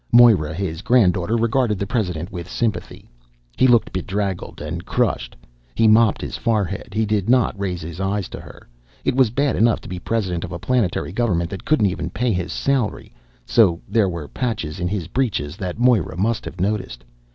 Moira, his granddaughter, regarded the president with sympathy. He looked bedraggled and crushed. He mopped his forehead. He did not raise his eyes to her. It was bad enough to be president of a planetary government that couldn't even pay his salary, so there were patches in his breeches that Moira must have noticed.